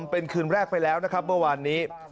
เป็นคืนแรกไปแล้วนะครับเมื่อวานนี้